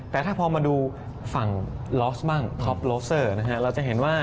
แต่ถ้าพอมาดูฝั่งลอสบ้างท็อปโลเซอร์นะฮะเราจะเห็นว่า